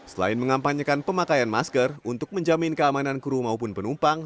selain mengampanyekan pemakaian masker untuk menjamin keamanan kru maupun penumpang